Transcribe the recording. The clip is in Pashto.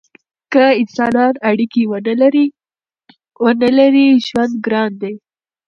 که انسانان اړیکې ونلري ژوند ګران دی.